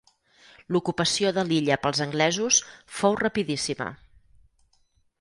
L'ocupació de l'illa pels anglesos fou rapidíssima.